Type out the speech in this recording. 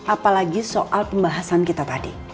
apalagi soal pembahasan kita tadi